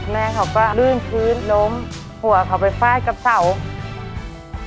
แม่เขาก็ลื่นพื้นล้มหัวเขาไปฟาดกับเสา